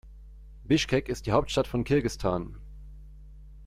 Bischkek ist die Hauptstadt von Kirgisistan.